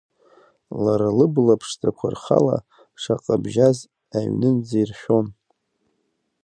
Лара лыбла ԥшӡақәа рхала, шаҟа бжьаз аҩнынӡа иршәон…